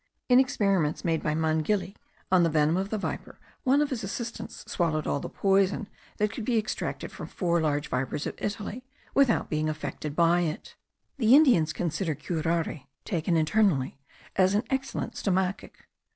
In experiments made by Mangili on the venom of the viper, one of his assistants swallowed all the poison that could be extracted from four large vipers of Italy, without being affected by it. The Indians consider the curare, taken internally, as an excellent stomachic.